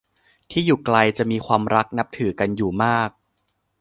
ที่อยู่ไกลจะมีความรักนับถือกันอยู่มาก